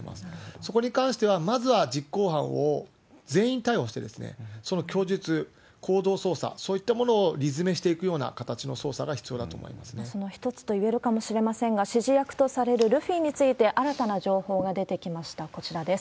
そこに関しては、まずは実行犯を全員逮捕して、その供述、行動捜査、そういったものを理詰めしていくような形の捜査が必要だと思いまその一つといえるかもしれませんが、指示役とされるルフィについて、新たな情報が出てきました、こちらです。